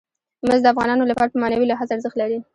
مس د افغانانو لپاره په معنوي لحاظ ارزښت لري.